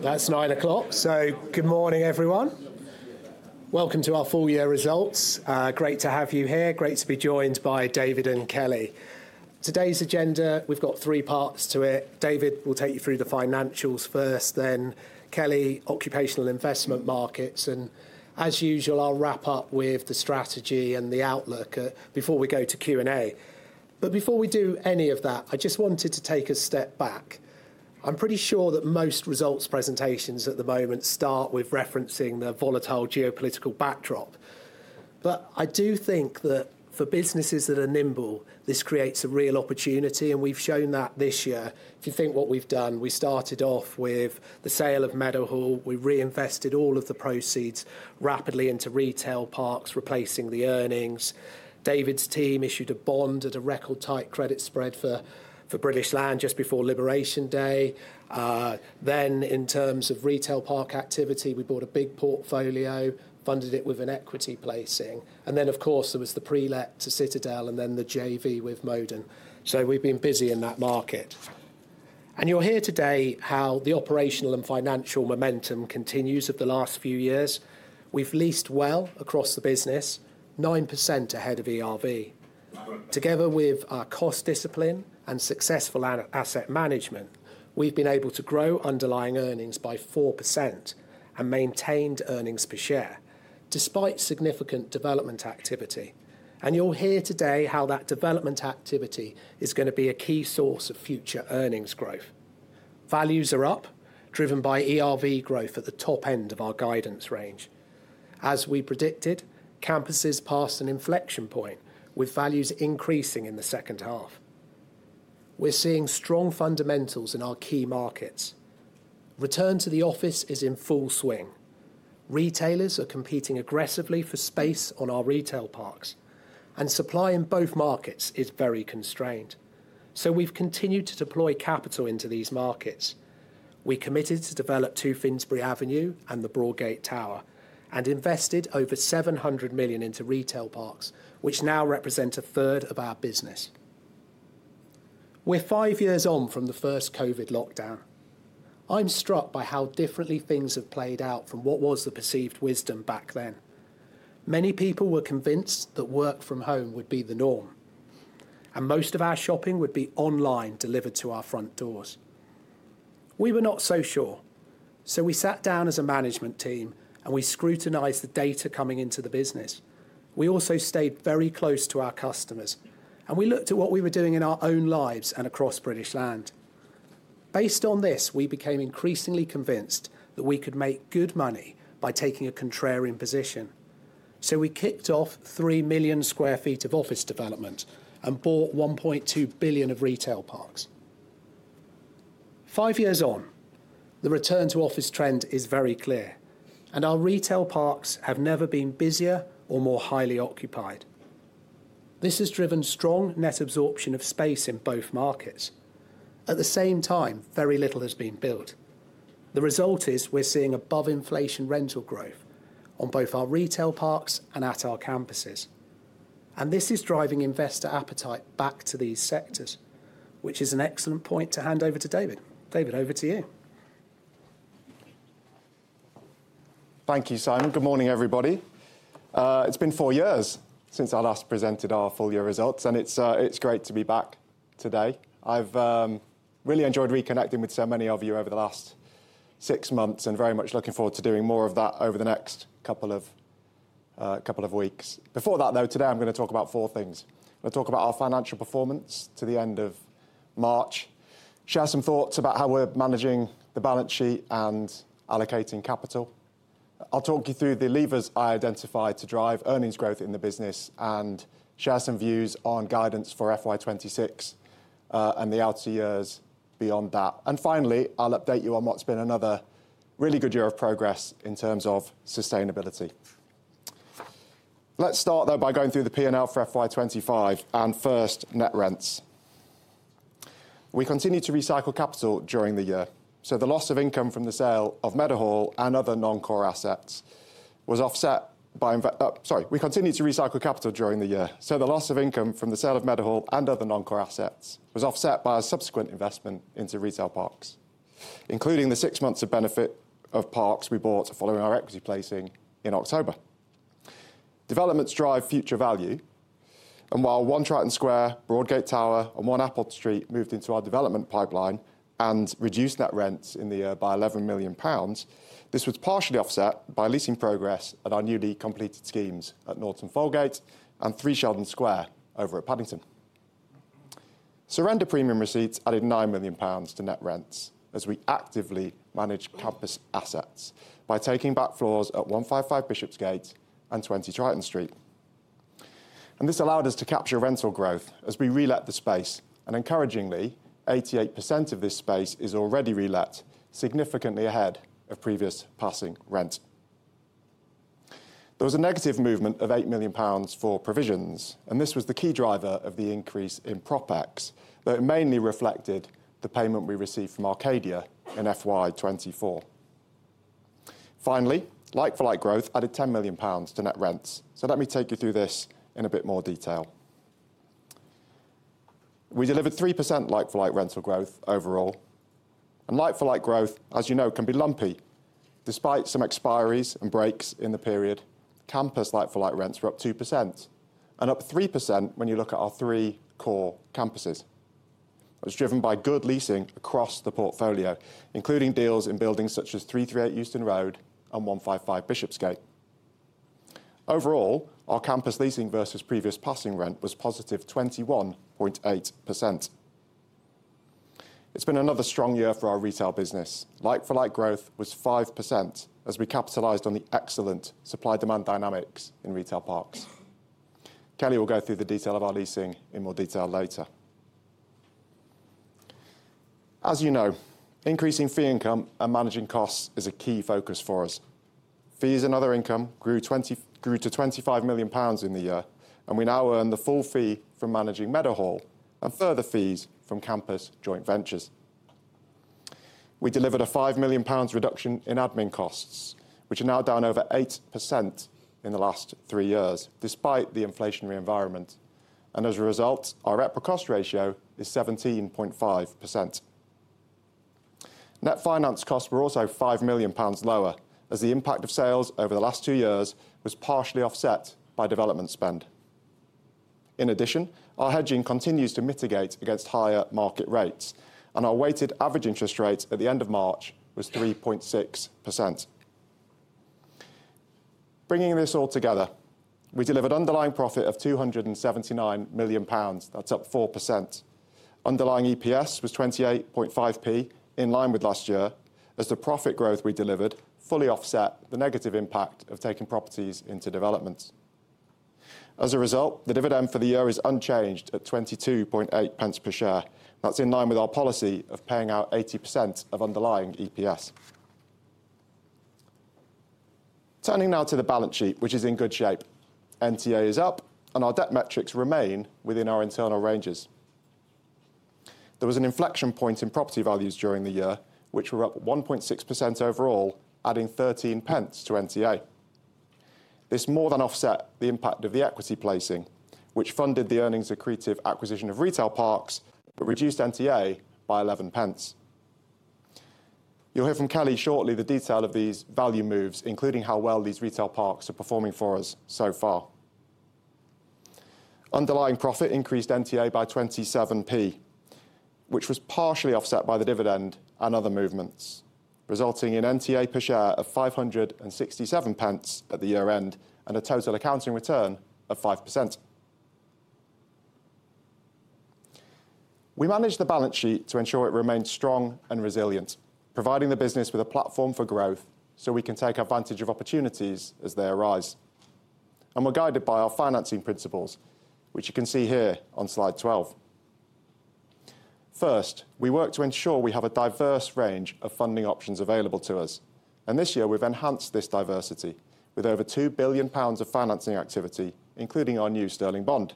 It's 9:00 o'clock. So, good morning, everyone. Welcome to our full year results. Great to have you here. Great to be joined by David and Kelly. Today's agenda, we've got three parts to it. David will take you through the financials first, then Kelly, occupational investment markets. As usual, I'll wrap up with the strategy and the outlook before we go to Q&A. Before we do any of that, I just wanted to take a step back. I'm pretty sure that most results presentations at the moment start with referencing the volatile geopolitical backdrop. I do think that for businesses that are nimble, this creates a real opportunity, and we've shown that this year. If you think what we've done, we started off with the sale of Meadowhall. We reinvested all of the proceeds rapidly into retail parks, replacing the earnings. David's team issued a bond at a record-tight credit spread for British Land just before Liberation Day. In terms of retail park activity, we bought a big portfolio, funded it with an equity placing. Of course, there was the pre-let to Citadel and then the JV with Modwen. We have been busy in that market. You will hear today how the operational and financial momentum continues over the last few years. We have leased well across the business, 9% ahead of ERV. Together with our cost discipline and successful asset management, we have been able to grow underlying earnings by 4% and maintained earnings per share despite significant development activity. You will hear today how that development activity is going to be a key source of future earnings growth. Values are up, driven by ERV growth at the top end of our guidance range. As we predicted, campuses passed an inflection point with values increasing in the second half. We're seeing strong fundamentals in our key markets. Return to the office is in full swing. Retailers are competing aggressively for space on our Retail Parks, and supply in both markets is very constrained. We have continued to deploy capital into these markets. We committed to develop 2 Finsbury Avenue and the Broadgate Tower and invested over $700 million into Retail Parks, which now represent a third of our business. We're five years on from the first COVID lockdown. I'm struck by how differently things have played out from what was the perceived wisdom back then. Many people were convinced that work from home would be the norm, and most of our shopping would be online delivered to our front doors. We were not so sure, so we sat down as a management team and we scrutinized the data coming into the business. We also stayed very close to our customers, and we looked at what we were doing in our own lives and across British Land. Based on this, we became increasingly convinced that we could make good money by taking a contrarian position. So we kicked off three million sq ft of office development and bought 1.2 billion of retail parks. Five years on, the return to office trend is very clear, and our retail parks have never been busier or more highly occupied. This has driven strong net absorption of space in both markets. At the same time, very little has been built. The result is we're seeing above-inflation rental growth on both our retail parks and at our campuses. This is driving investor appetite back to these sectors, which is an excellent point to hand over to David. David, over to you. Thank you, Simon. Good morning, everybody. It has been four years since I last presented our full year results, and it is great to be back today. I have really enjoyed reconnecting with so many of you over the last six months and very much look forward to doing more of that over the next couple of weeks. Before that, though, today I am going to talk about four things. I am going to talk about our financial performance to the end of March, share some thoughts about how we are managing the balance sheet and allocating capital. I will talk you through the levers I identified to drive earnings growth in the business and share some views on guidance for FY2026 and the outer years beyond that. Finally, I will update you on what has been another really good year of progress in terms of sustainability. Let's start, though, by going through the P&L for FY25 and first net rents. We continue to recycle capital during the year. The loss of income from the sale of Meadowhall and other non-core assets was offset by a subsequent investment into retail parks, including the six months of benefit of parks we bought following our equity placing in October. Developments drive future value. While One Triton Square, Broadgate Tower, and One Appold Street moved into our development pipeline and reduced net rents in the year by 11 million pounds, this was partially offset by leasing progress at our newly completed schemes at Norton Folgate and Three Sheldon Square over at Paddington. Surrender premium receipts added 9 million pounds to net rents as we actively managed campus assets by taking back floors at 155 Bishopsgate and 20 Triton Street. This allowed us to capture rental growth as we re-let the space. Encouragingly, 88% of this space is already re-let, significantly ahead of previous passing rent. There was a negative movement of 8 million pounds for provisions, and this was the key driver of the increase in Prop X, but it mainly reflected the payment we received from Arcadia in FY2024. Finally, like-for-like growth added 10 million pounds to net rents. Let me take you through this in a bit more detail. We delivered 3% like-for-like rental growth overall. Like-for-like growth, as you know, can be lumpy. Despite some expiries and breaks in the period, campus like-for-like rents were up 2% and up 3% when you look at our three core campuses. It was driven by good leasing across the portfolio, including deals in buildings such as 338 Euston Road and 155 Bishopsgate. Overall, our campus leasing versus previous passing rent was positive 21.8%. It's been another strong year for our retail business. Like-for-like growth was 5% as we capitalized on the excellent supply-demand dynamics in retail parks. Kelly will go through the detail of our leasing in more detail later. As you know, increasing fee income and managing costs is a key focus for us. Fees and other income grew to 25 million pounds in the year, and we now earn the full fee from managing Meadowhall and further fees from campus joint ventures. We delivered a 5 million pounds reduction in admin costs, which are now down over 8% in the last three years, despite the inflationary environment. As a result, our EPRA cost ratio is 17.5%. Net finance costs were also 5 million pounds lower as the impact of sales over the last two years was partially offset by development spend. In addition, our hedging continues to mitigate against higher market rates, and our weighted average interest rate at the end of March was 3.6%. Bringing this all together, we delivered underlying profit of 279 million pounds. That's up 4%. Underlying EPS was 28.5p, in line with last year, as the profit growth we delivered fully offset the negative impact of taking properties into development. As a result, the dividend for the year is unchanged at 0.228 per share. That's in line with our policy of paying out 80% of underlying EPS. Turning now to the balance sheet, which is in good shape. NTA is up, and our debt metrics remain within our internal ranges. There was an inflection point in property values during the year, which were up 1.6% overall, adding 0.13 to NTA. This more than offset the impact of the equity placing, which funded the earnings-accretive acquisition of retail parks, but reduced NTA by 0.11. You'll hear from Kelly shortly the detail of these value moves, including how well these retail parks are performing for us so far. Underlying profit increased NTA by 0.27, which was partially offset by the dividend and other movements, resulting in NTA per share of 5.67 at the year-end and a total accounting return of 5%. We managed the balance sheet to ensure it remained strong and resilient, providing the business with a platform for growth so we can take advantage of opportunities as they arise. We are guided by our financing principles, which you can see here on slide 12. First, we work to ensure we have a diverse range of funding options available to us. This year, we have enhanced this diversity with over 2 billion pounds of financing activity, including our new sterling bond.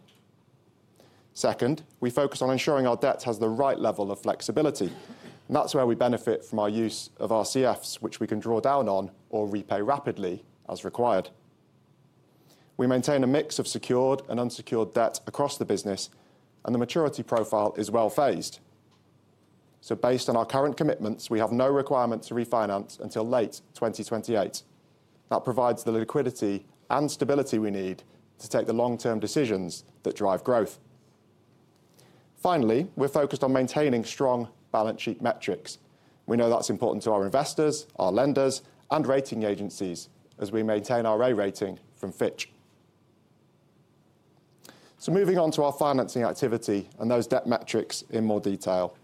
Second, we focus on ensuring our debt has the right level of flexibility. That is where we benefit from our use of RCFs, which we can draw down on or repay rapidly as required. We maintain a mix of secured and unsecured debt across the business, and the maturity profile is well phased. Based on our current commitments, we have no requirement to refinance until late 2028. That provides the liquidity and stability we need to take the long-term decisions that drive growth. Finally, we are focused on maintaining strong balance sheet metrics. We know that is important to our investors, our lenders, and rating agencies as we maintain our A rating from Fitch. Moving on to our financing activity and those debt metrics in more detail.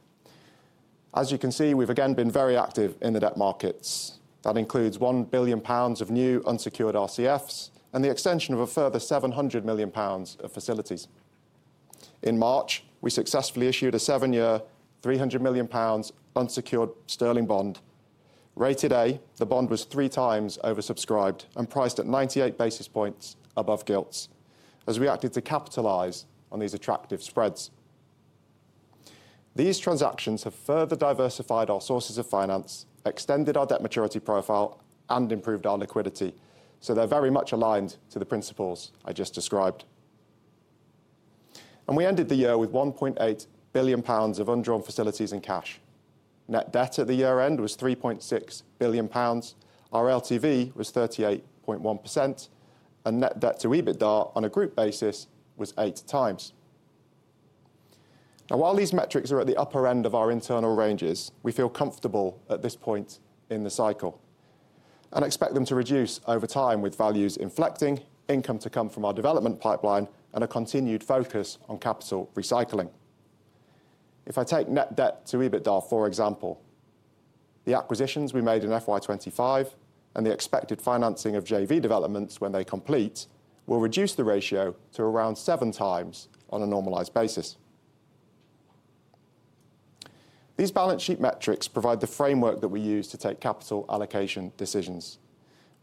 As you can see, we've again been very active in the debt markets. That includes 1 billion pounds of new unsecured RCFs and the extension of a further 700 million pounds of facilities. In March, we successfully issued a seven-year, 300 million pounds unsecured sterling bond. Rated A, the bond was three times oversubscribed and priced at 98 basis points above gilts as we acted to capitalize on these attractive spreads. These transactions have further diversified our sources of finance, extended our debt maturity profile, and improved our liquidity. They are very much aligned to the principles I just described. We ended the year with 1.8 billion pounds of undrawn facilities in cash. Net debt at the year-end was 3.6 billion pounds. Our LTV was 38.1%, and net debt to EBITDA on a group basis was eight times. Now, while these metrics are at the upper end of our internal ranges, we feel comfortable at this point in the cycle and expect them to reduce over time with values inflecting, income to come from our development pipeline, and a continued focus on capital recycling. If I take net debt to EBITDA, for example, the acquisitions we made in FY 2025 and the expected financing of JV developments when they complete will reduce the ratio to around seven times on a normalized basis. These balance sheet metrics provide the framework that we use to take capital allocation decisions.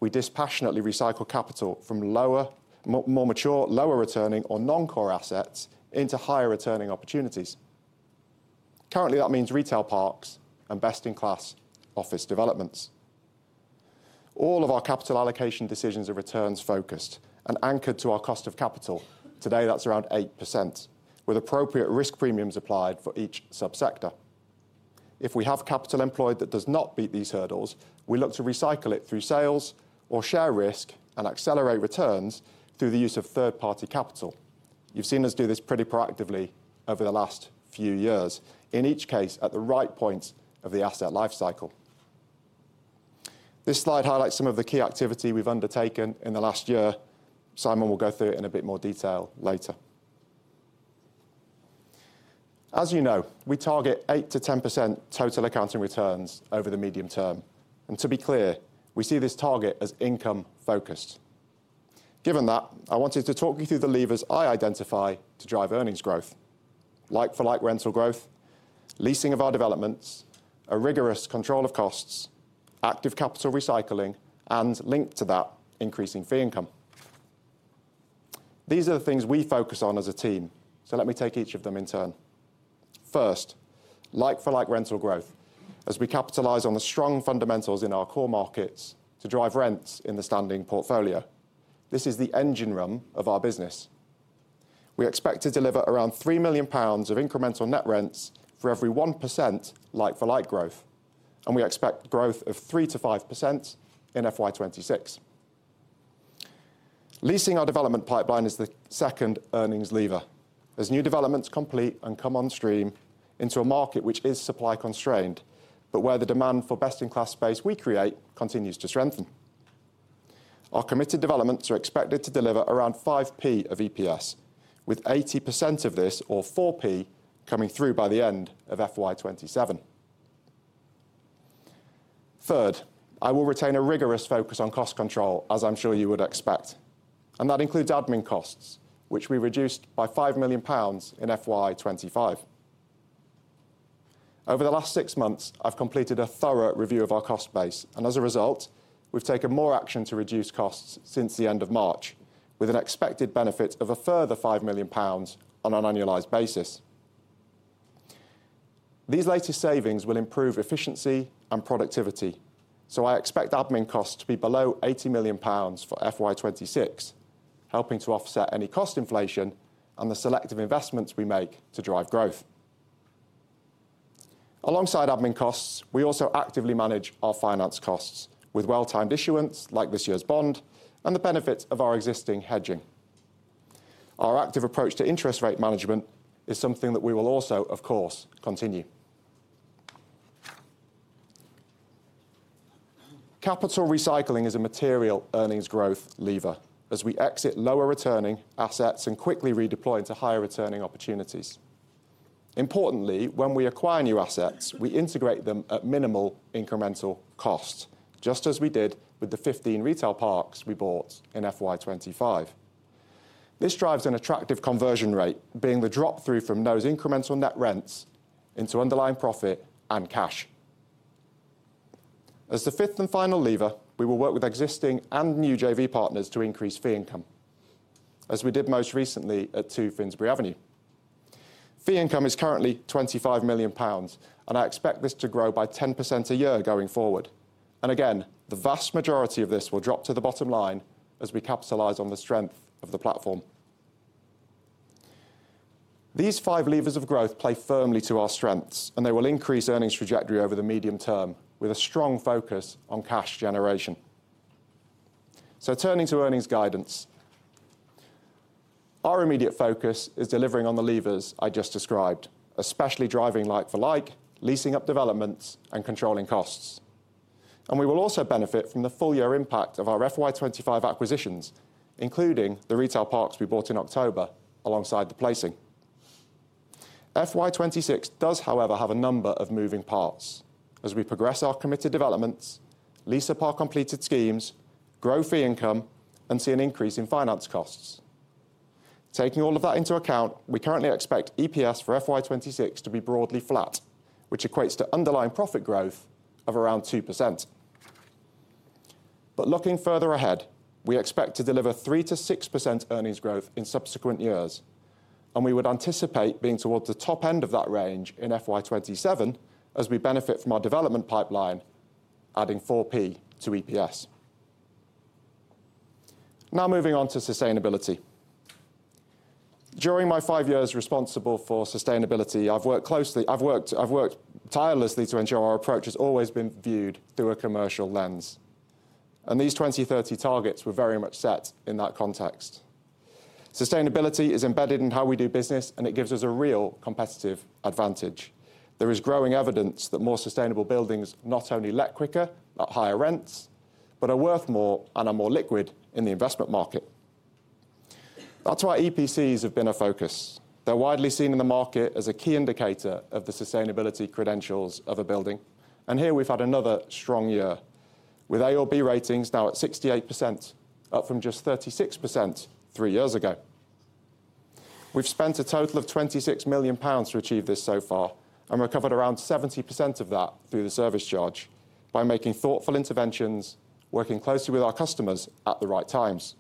We dispassionately recycle capital from more mature, lower returning or non-core assets into higher returning opportunities. Currently, that means retail parks and best-in-class office developments. All of our capital allocation decisions are returns-focused and anchored to our cost of capital. Today, that's around 8%, with appropriate risk premiums applied for each subsector. If we have capital employed that does not beat these hurdles, we look to recycle it through sales or share risk and accelerate returns through the use of third-party capital. You have seen us do this pretty proactively over the last few years, in each case at the right points of the asset life cycle. This slide highlights some of the key activity we have undertaken in the last year. Simon will go through it in a bit more detail later. As you know, we target 8%-10% total accounting returns over the medium term. To be clear, we see this target as income-focused. Given that, I wanted to talk you through the levers I identify to drive earnings growth, like-for-like rental growth, leasing of our developments, a rigorous control of costs, active capital recycling, and linked to that, increasing fee income. These are the things we focus on as a team. Let me take each of them in turn. First, like-for-like rental growth as we capitalize on the strong fundamentals in our core markets to drive rents in the standing portfolio. This is the engine room of our business. We expect to deliver around 3 million pounds of incremental net rents for every 1% like-for-like growth. We expect growth of 3%-5% in FY 2026. Leasing our development pipeline is the second earnings lever as new developments complete and come on stream into a market which is supply constrained, where the demand for best-in-class space we create continues to strengthen. Our committed developments are expected to deliver around 0.05 of EPS, with 80% of this, or 0.04, coming through by the end of FY 2027. Third, I will retain a rigorous focus on cost control, as I'm sure you would expect. That includes admin costs, which we reduced by 5 million pounds in FY25. Over the last six months, I've completed a thorough review of our cost base. As a result, we've taken more action to reduce costs since the end of March, with an expected benefit of a further 5 million pounds on an annualized basis. These latest savings will improve efficiency and productivity. I expect admin costs to be below 80 million pounds for FY26, helping to offset any cost inflation and the selective investments we make to drive growth. Alongside admin costs, we also actively manage our finance costs with well-timed issuance like this year's bond and the benefit of our existing hedging. Our active approach to interest rate management is something that we will also, of course, continue. Capital recycling is a material earnings growth lever as we exit lower returning assets and quickly redeploy into higher returning opportunities. Importantly, when we acquire new assets, we integrate them at minimal incremental cost, just as we did with the 15 retail parks we bought in FY25. This drives an attractive conversion rate, being the drop-through from those incremental net rents into underlying profit and cash. As the fifth and final lever, we will work with existing and new JV partners to increase fee income, as we did most recently at 2 Finsbury Avenue. Fee income is currently 25 million pounds, and I expect this to grow by 10% a year going forward. The vast majority of this will drop to the bottom line as we capitalize on the strength of the platform. These five levers of growth play firmly to our strengths, and they will increase earnings trajectory over the medium term with a strong focus on cash generation. Turning to earnings guidance, our immediate focus is delivering on the levers I just described, especially driving like-for-like, leasing up developments, and controlling costs. We will also benefit from the full-year impact of our FY25 acquisitions, including the retail parks we bought in October alongside the placing. FY26 does, however, have a number of moving parts as we progress our committed developments, lease up our completed schemes, grow fee income, and see an increase in finance costs. Taking all of that into account, we currently expect EPS for FY26 to be broadly flat, which equates to underlying profit growth of around 2%. Looking further ahead, we expect to deliver 3%-6% earnings growth in subsequent years. We would anticipate being towards the top end of that range in FY2027 as we benefit from our development pipeline, adding 0.04 to EPS. Now moving on to sustainability. During my five years responsible for sustainability, I have worked tirelessly to ensure our approach has always been viewed through a commercial lens. These 2030 targets were very much set in that context. Sustainability is embedded in how we do business, and it gives us a real competitive advantage. There is growing evidence that more sustainable buildings not only let quicker at higher rents, but are worth more and are more liquid in the investment market. That is why EPCs have been a focus. They are widely seen in the market as a key indicator of the sustainability credentials of a building. We have had another strong year with A or B ratings now at 68%, up from just 36% three years ago. We have spent a total of 26 million pounds to achieve this so far and recovered around 70% of that through the service charge by making thoughtful interventions, working closely with our customers at the right times.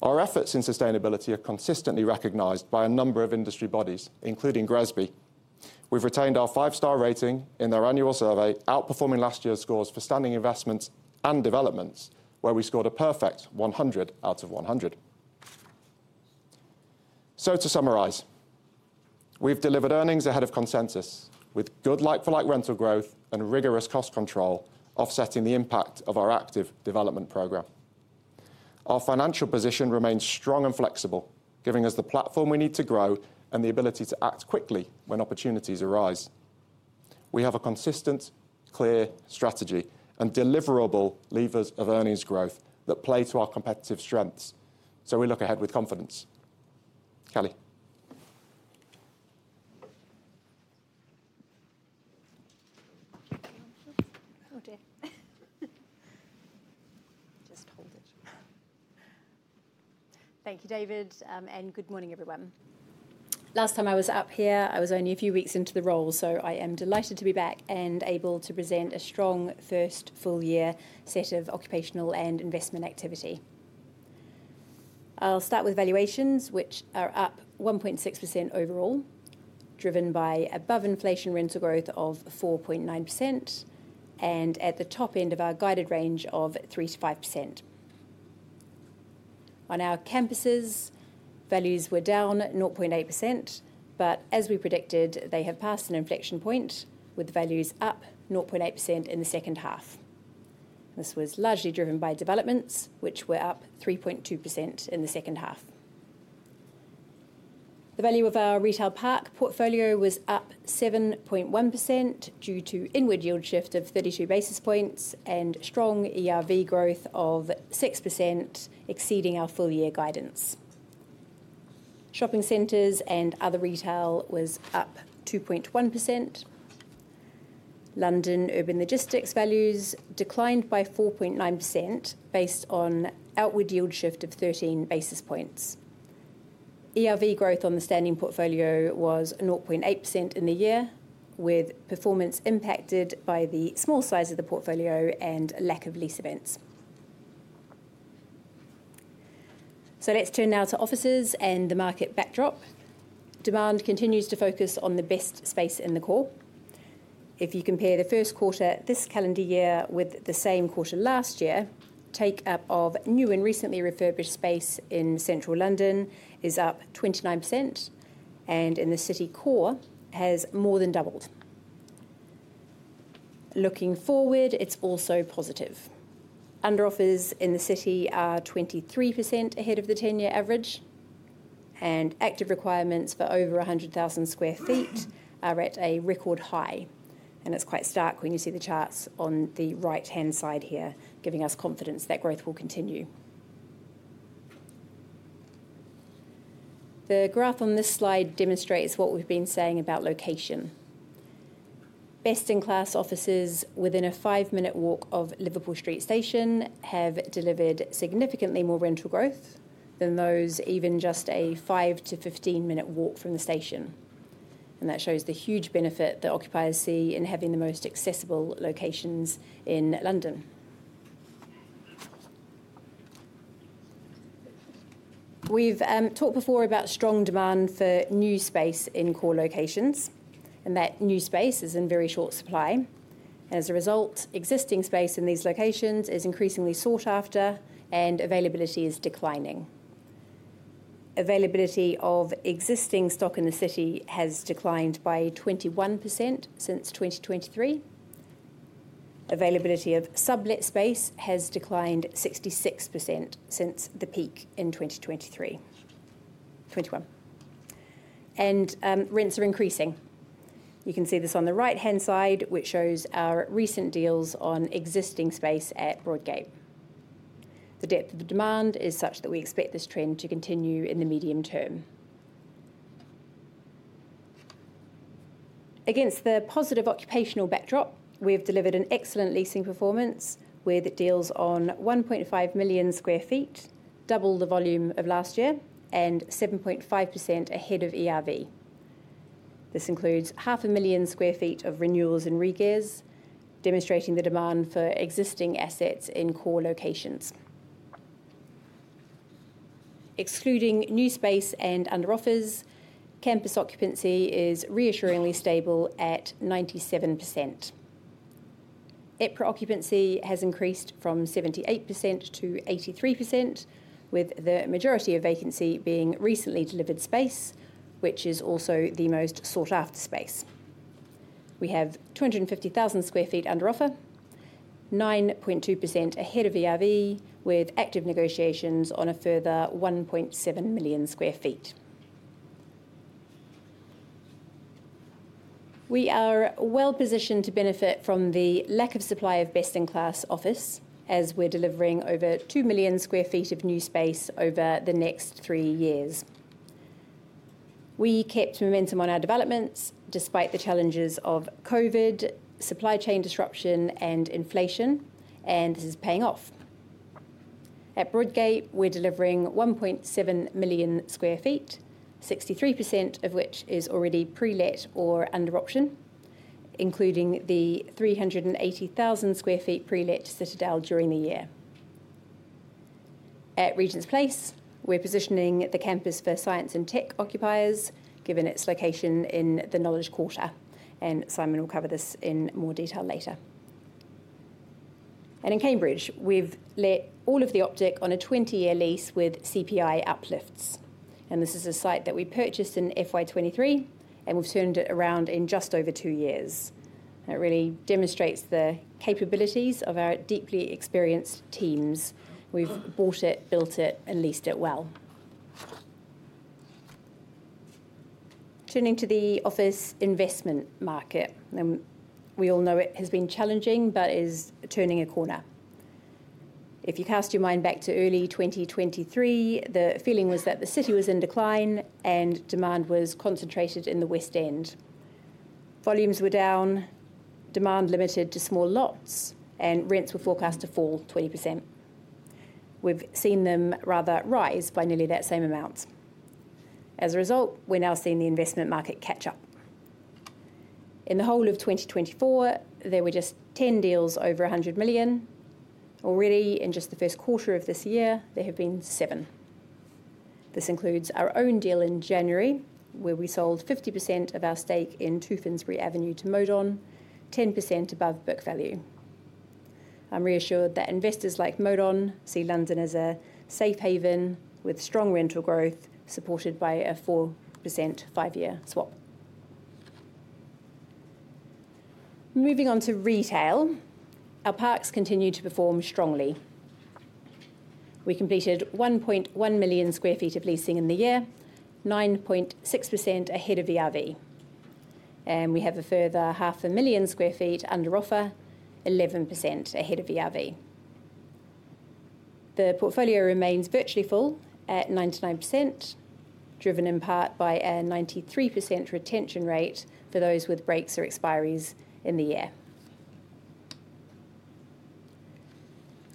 Our efforts in sustainability are consistently recognized by a number of industry bodies, including Gresby. We have retained our five-star rating in their annual survey, outperforming last year's scores for standing investments and developments, where we scored a perfect 100 out of 100. To summarize, we have delivered earnings ahead of consensus with good like-for-like rental growth and rigorous cost control, offsetting the impact of our active development program. Our financial position remains strong and flexible, giving us the platform we need to grow and the ability to act quickly when opportunities arise. We have a consistent, clear strategy and deliverable levers of earnings growth that play to our competitive strengths. We look ahead with confidence. Kelly. Just hold it. Thank you, David. Good morning, everyone. Last time I was up here, I was only a few weeks into the role. I am delighted to be back and able to present a strong first full-year set of occupational and investment activity. I will start with valuations, which are up 1.6% overall, driven by above-inflation rental growth of 4.9% and at the top end of our guided range of 3%-5%. On our campuses, values were down 0.8%, but as we predicted, they have passed an inflection point with values up 0.8% in the second half. This was largely driven by developments, which were up 3.2% in the second half. The value of our retail park portfolio was up 7.1% due to inward yield shift of 32 basis points and strong ERV growth of 6%, exceeding our full-year guidance. Shopping centers and other retail was up 2.1%. London Urban Logistics values declined by 4.9% based on outward yield shift of 13 basis points. ERV growth on the standing portfolio was 0.8% in the year, with performance impacted by the small size of the portfolio and lack of lease events. Let's turn now to offices and the market backdrop. Demand continues to focus on the best space in the core. If you compare the first quarter this calendar year with the same quarter last year, take-up of new and recently refurbished space in central London is up 29%, and in the city core, has more than doubled. Looking forward, it's also positive. Under-offers in the city are 23% ahead of the 10-year average, and active requirements for over 100,000 sq ft are at a record high. It is quite stark when you see the charts on the right-hand side here, giving us confidence that growth will continue. The graph on this slide demonstrates what we have been saying about location. Best-in-class offices within a five-minute walk of Liverpool Street Station have delivered significantly more rental growth than those even just a fie to 15 minute walk from the station. That shows the huge benefit that occupiers see in having the most accessible locations in London. We have talked before about strong demand for new space in core locations, and that new space is in very short supply. As a result, existing space in these locations is increasingly sought after, and availability is declining. Availability of existing stock in the city has declined by 21% since 2023. Availability of sublet space has declined 66% since the peak in 2023. Rents are increasing. You can see this on the right-hand side, which shows our recent deals on existing space at Broadgate. The depth of the demand is such that we expect this trend to continue in the medium term. Against the positive occupational backdrop, we have delivered an excellent leasing performance with deals on 1.5 million sq ft, double the volume of last year, and 7.5% ahead of ERV. This includes 500,000 sq ft of renewals and re-gears, demonstrating the demand for existing assets in core locations. Excluding new space and under-offers, campus occupancy is reassuringly stable at 97%. EPRA occupancy has increased from 78% to 83%, with the majority of vacancy being recently delivered space, which is also the most sought-after space. We have 250,000 sq ft under offer, 9.2% ahead of ERV, with active negotiations on a further 1.7 million sq ft. We are well positioned to benefit from the lack of supply of best-in-class office as we're delivering over 2 million sq ft of new space over the next three years. We kept momentum on our developments despite the challenges of COVID, supply chain disruption, and inflation, and this is paying off. At Broadgate, we're delivering 1.7 million sq ft, 63% of which is already pre-let or under option, including the 380,000 sq ft pre-let to Citadel during the year. At Regent's Place, we're positioning the campus for science and tech occupiers, given its location in the Knowledge Quarter. Simon will cover this in more detail later. In Cambridge, we have let all of The Optic on a 20-year lease with CPI uplifts. This is a site that we purchased in FY 2023, and we have turned it around in just over two years. It really demonstrates the capabilities of our deeply experienced teams. We have bought it, built it, and leased it well. Turning to the office investment market, we all know it has been challenging but is turning a corner. If you cast your mind back to early 2023, the feeling was that the city was in decline and demand was concentrated in the West End. Volumes were down, demand limited to small lots, and rents were forecast to fall 20%. We have seen them rather rise by nearly that same amount. As a result, we are now seeing the investment market catch up. In the whole of 2024, there were just 10 deals over 100 million. Already, in just the first quarter of this year, there have been seven. This includes our own deal in January, where we sold 50% of our stake in 2 Finsbury Avenue to Modwen, 10% above book value. I'm reassured that investors like Modwen see London as a safe haven with strong rental growth, supported by a 4% five-year swap. Moving on to retail, our parks continue to perform strongly. We completed 1.1 million sq ft of leasing in the year, 9.6% ahead of ERV. We have a further 500,000 sq ft under offer, 11% ahead of ERV. The portfolio remains virtually full at 99%, driven in part by a 93% retention rate for those with breaks or expiries in the year.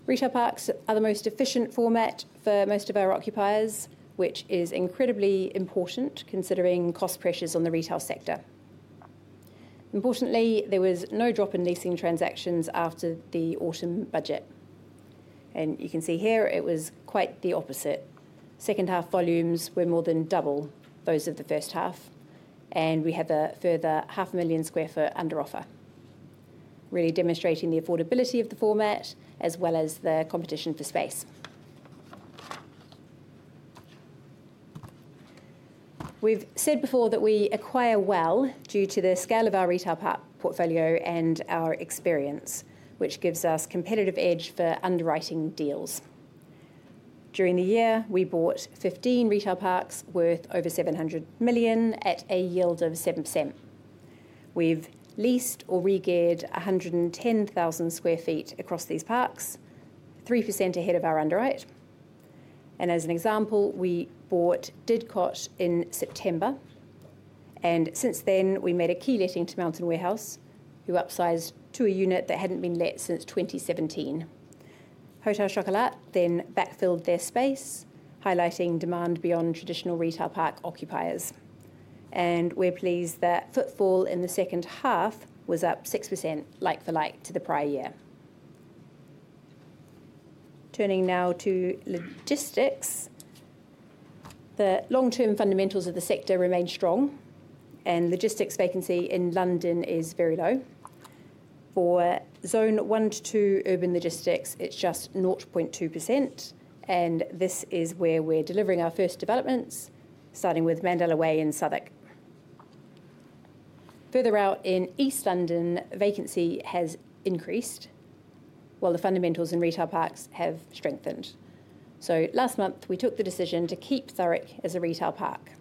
Retail parks are the most efficient format for most of our occupiers, which is incredibly important considering cost pressures on the retail sector. Importantly, there was no drop in leasing transactions after the autumn budget. You can see here it was quite the opposite. Second-half volumes were more than double those of the first half, and we have a further 500,000 sq ft under offer, really demonstrating the affordability of the format as well as the competition for space. We have said before that we acquire well due to the scale of our retail portfolio and our experience, which gives us competitive edge for underwriting deals. During the year, we bought 15 retail parks worth over 700 million at a yield of 7%. We have leased or re-geared 110,000 sq ft across these parks, 3% ahead of our underwrite. As an example, we bought Didcot in September, and since then, we made a key letting to Mountain Warehouse, who upsized to a unit that had not been let since 2017. Hotel Chocolat then backfilled their space, highlighting demand beyond traditional retail park occupiers. We are pleased that footfall in the second half was up 6% like-for-like to the prior year. Turning now to logistics, the long-term fundamentals of the sector remain strong, and logistics vacancy in London is very low. For zone one to two urban logistics, it is just 0.2%, and this is where we are delivering our first developments, starting with Mandela Way in Southwark. Further out in East London, vacancy has increased while the fundamentals in retail parks have strengthened. Last month, we took the decision to keep Southwark as a retail park.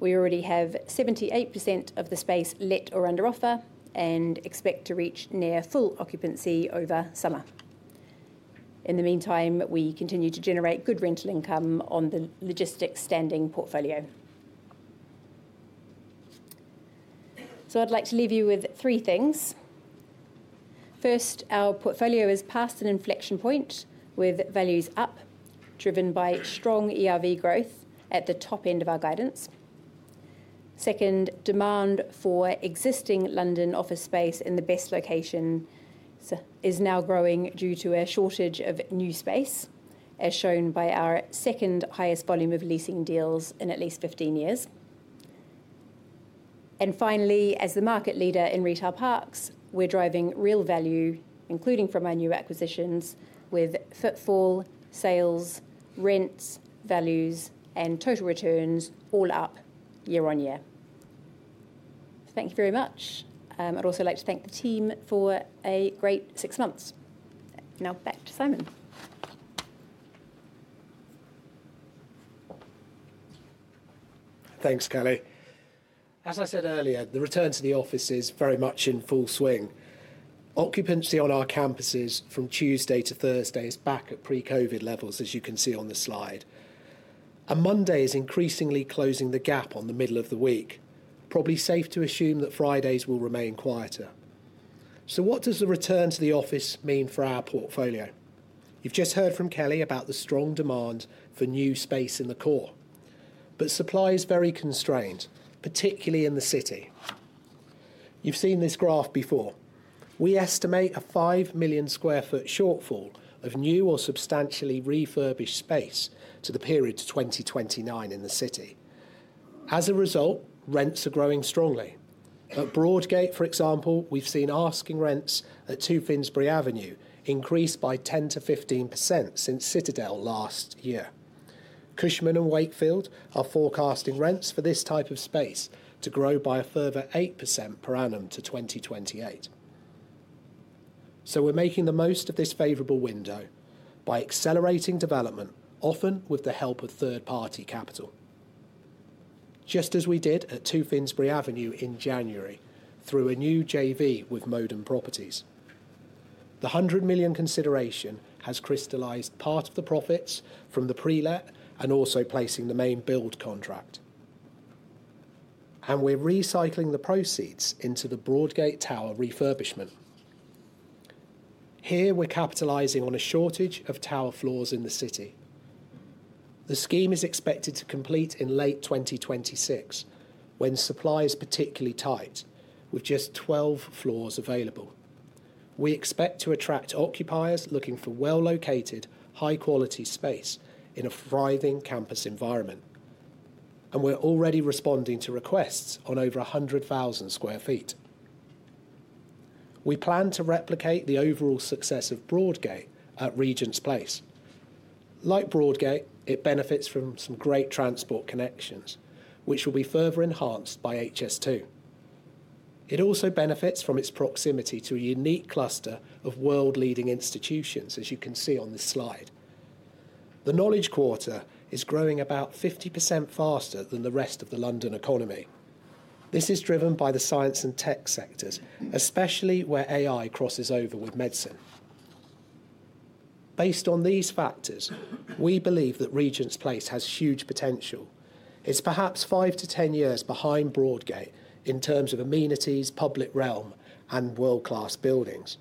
We already have 78% of the space let or under offer and expect to reach near full occupancy over summer. In the meantime, we continue to generate good rental income on the logistics standing portfolio. I'd like to leave you with three things. First, our portfolio has passed an inflection point with values up, driven by strong ERV growth at the top end of our guidance. Second, demand for existing London office space in the best location is now growing due to a shortage of new space, as shown by our second highest volume of leasing deals in at least 15 years. Finally, as the market leader in retail parks, we're driving real value, including from our new acquisitions, with footfall, sales, rents, values, and total returns all up year on year. Thank you very much. I'd also like to thank the team for a great six months. Now back to Simon. Thanks, Kelly. As I said earlier, the return to the office is very much in full swing. Occupancy on our campuses from Tuesday to Thursday is back at pre-COVID levels, as you can see on the slide. Monday is increasingly closing the gap on the middle of the week. It is probably safe to assume that Fridays will remain quieter. What does the return to the office mean for our portfolio? You have just heard from Kelly about the strong demand for new space in the core. Supply is very constrained, particularly in the city. You have seen this graph before. We estimate a 5 million sq ft shortfall of new or substantially refurbished space to the period to 2029 in the city. As a result, rents are growing strongly. At Broadgate, for example, we have seen asking rents at 2 Finsbury Avenue increase by 10-15% since Citadel last year. Cushman & Wakefield are forecasting rents for this type of space to grow by a further 8% per annum to 2028. We are making the most of this favorable window by accelerating development, often with the help of third-party capital, just as we did at 2 Finsbury Avenue in January through a new JV with Modwen Properties. The 100 million consideration has crystallized part of the profits from the pre-let and also placing the main build contract. We are recycling the proceeds into the Broadgate Tower refurbishment. Here, we are capitalizing on a shortage of tower floors in the city. The scheme is expected to complete in late 2026 when supply is particularly tight, with just 12 floors available. We expect to attract occupiers looking for well-located, high-quality space in a thriving campus environment. We are already responding to requests on over 100,000 sq ft. We plan to replicate the overall success of Broadgate at Regent's Place. Like Broadgate, it benefits from some great transport connections, which will be further enhanced by HS2. It also benefits from its proximity to a unique cluster of world-leading institutions, as you can see on this slide. The Knowledge Quarter is growing about 50% faster than the rest of the London economy. This is driven by the science and tech sectors, especially where AI crosses over with medicine. Based on these factors, we believe that Regent's Place has huge potential. It's perhaps 5-10 years behind Broadgate in terms of amenities, public realm, and world-class buildings.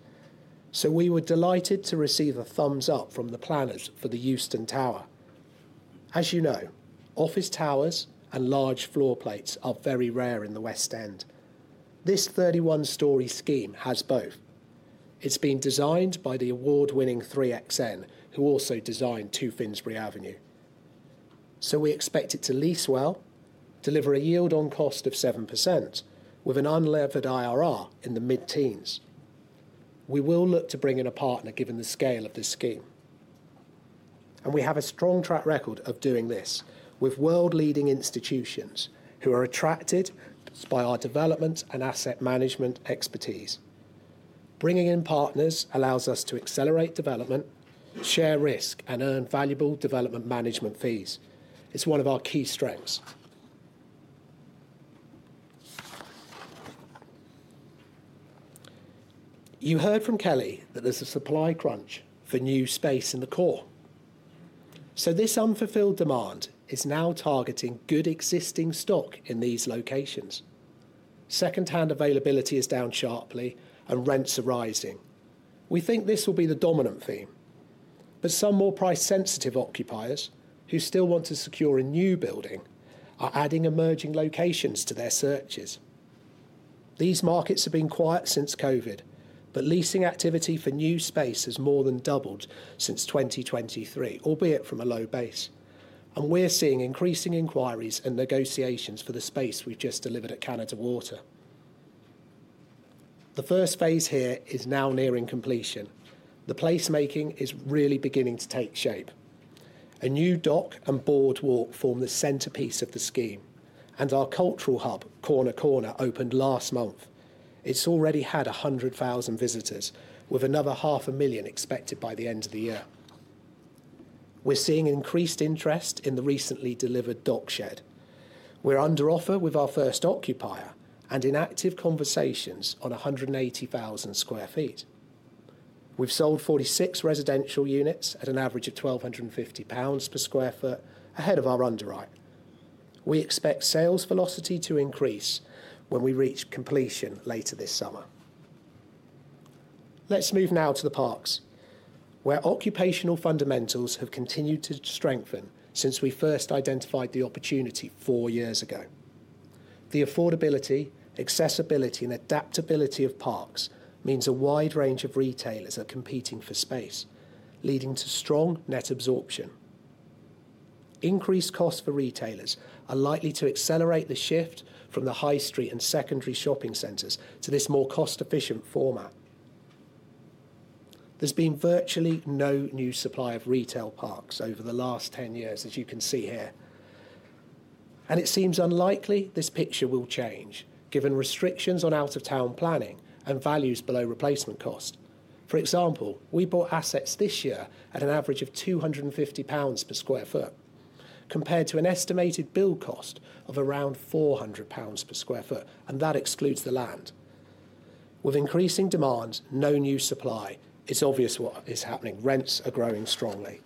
We were delighted to receive a thumbs up from the planners for the Houston Tower. As you know, office towers and large floor plates are very rare in the west end. This 31-story scheme has both. It's been designed by the award-winning 3XN, who also designed 2 Finsbury Avenue. We expect it to lease well, deliver a yield on cost of 7%, with an unlevered IRR in the mid-teens. We will look to bring in a partner given the scale of the scheme. We have a strong track record of doing this with world-leading institutions who are attracted by our development and asset management expertise. Bringing in partners allows us to accelerate development, share risk, and earn valuable development management fees. It's one of our key strengths. You heard from Kelly that there is a supply crunch for new space in the core. This unfulfilled demand is now targeting good existing stock in these locations. Second-hand availability is down sharply, and rents are rising. We think this will be the dominant theme. Some more price-sensitive occupiers, who still want to secure a new building, are adding emerging locations to their searches. These markets have been quiet since COVID, but leasing activity for new space has more than doubled since 2023, albeit from a low base. We are seeing increasing inquiries and negotiations for the space we have just delivered at Canada Water. The first phase here is now nearing completion. The placemaking is really beginning to take shape. A new dock and boardwalk form the centerpiece of the scheme, and our cultural hub, Corner Corner, opened last month. It has already had 100,000 visitors, with another 500,000 expected by the end of the year. We are seeing increased interest in the recently delivered dock shed. We are under offer with our first occupier and in active conversations on 180,000 sq ft. We've sold 46 residential units at an average of 1,250 pounds per sq ft ahead of our underwrite. We expect sales velocity to increase when we reach completion later this summer. Let's move now to the parks, where occupational fundamentals have continued to strengthen since we first identified the opportunity four years ago. The affordability, accessibility, and adaptability of parks means a wide range of retailers are competing for space, leading to strong net absorption. Increased costs for retailers are likely to accelerate the shift from the high street and secondary shopping centers to this more cost-efficient format. There has been virtually no new supply of retail parks over the last 10 years, as you can see here. It seems unlikely this picture will change, given restrictions on out-of-town planning and values below replacement cost. For example, we bought assets this year at an average of 250 pounds per sq ft, compared to an estimated build cost of around 400 pounds per sq ft, and that excludes the land. With increasing demand, no new supply, it is obvious what is happening. Rents are growing strongly.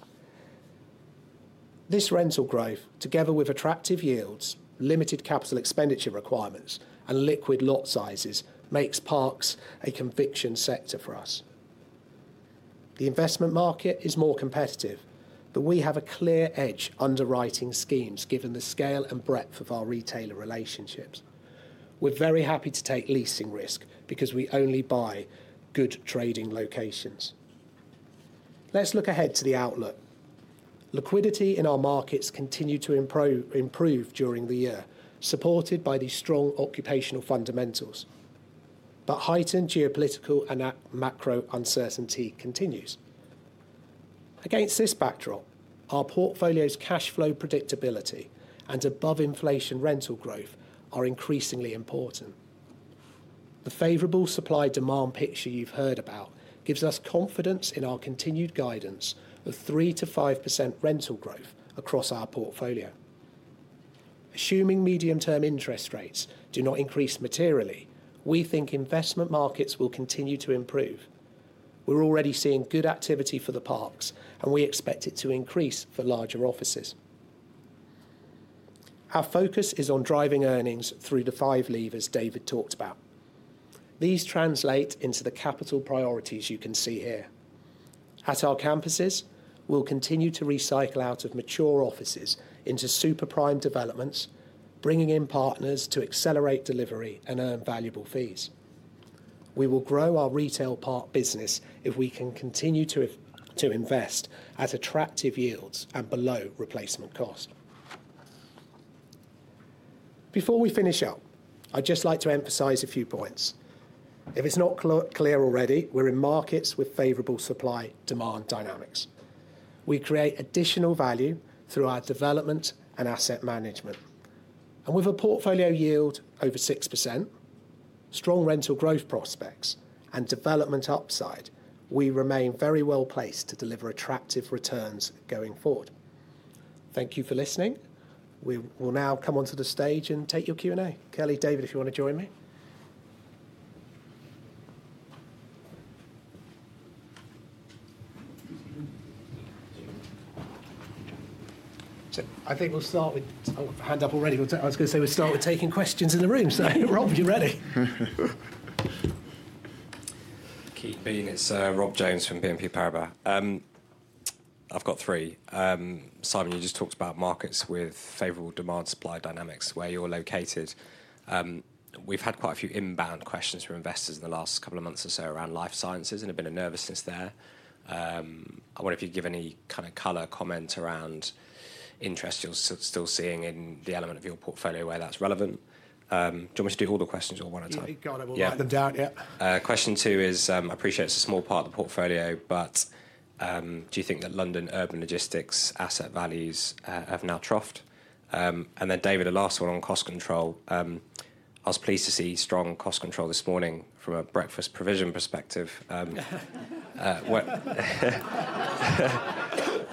This rental growth, together with attractive yields, limited capital expenditure requirements, and liquid lot sizes, makes parks a conviction sector for us. The investment market is more competitive, but we have a clear edge underwriting schemes given the scale and breadth of our retailer relationships. We are very happy to take leasing risk because we only buy good trading locations. Let's look ahead to the outlook. Liquidity in our markets continued to improve during the year, supported by the strong occupational fundamentals. However, heightened geopolitical and macro uncertainty continues. Against this backdrop, our portfolio's cash flow predictability and above-inflation rental growth are increasingly important. The favorable supply-demand picture you've heard about gives us confidence in our continued guidance of 3-5% rental growth across our portfolio. Assuming medium-term interest rates do not increase materially, we think investment markets will continue to improve. We're already seeing good activity for the parks, and we expect it to increase for larger offices. Our focus is on driving earnings through the five levers David talked about. These translate into the capital priorities you can see here. At our campuses, we'll continue to recycle out of mature offices into super-prime developments, bringing in partners to accelerate delivery and earn valuable fees. We will grow our retail park business if we can continue to invest at attractive yields and below replacement cost. Before we finish up, I'd just like to emphasize a few points. If it's not clear already, we're in markets with favorable supply-demand dynamics. We create additional value through our development and asset management. With a portfolio yield over 6%, strong rental growth prospects, and development upside, we remain very well placed to deliver attractive returns going forward. Thank you for listening. We will now come onto the stage and take your Q&A. Kelly, David, if you want to join me. I think we'll start with hand up already. I was going to say we'll start with taking questions in the room. Rob, you ready? Keep being. It's Rob Jones from BNP Paribas. I've got three. Simon, you just talked about markets with favorable demand-supply dynamics, where you're located. We've had quite a few inbound questions from investors in the last couple of months or so around life sciences and a bit of nervousness there. I wonder if you'd give any kind of color comment around interest you're still seeing in the element of your portfolio where that's relevant. Do you want me to do all the questions or one at a time? Yeah, you can't have all of them. Yeah. Question two is, I appreciate it's a small part of the portfolio, but do you think that London Urban Logistics asset values have now troughed? And then, David, the last one on cost control. I was pleased to see strong cost control this morning from a breakfast provision perspective.